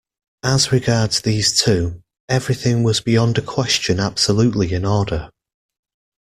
As regards these two, everything was beyond a question absolutely in order.